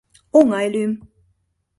— Оҥай лӱм.